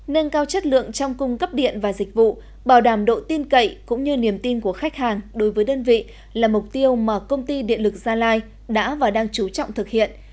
nâng cao chất lượng trong cung cấp điện và dịch vụ bảo đảm độ tin cậy cũng như niềm tin của khách hàng đối với đơn vị là mục tiêu mà công ty điện lực gia lai đã và đang chú trọng thực hiện